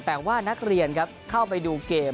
แต่ว่านักเรียนครับเข้าไปดูเกม